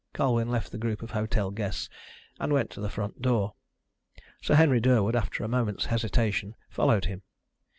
Colwyn left the group of hotel guests, and went to the front door. Sir Henry Durwood, after a moment's hesitation, followed him.